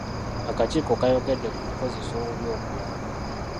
Akakiiko kaayogedde ku kukozesa obubi obuyambi.